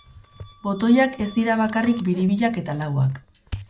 Botoiak ez dira bakarrik biribilak eta lauak.